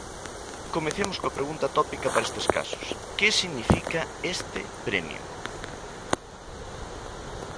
Comecemos coa pregunta tópica para estes casos: Que significa este premio?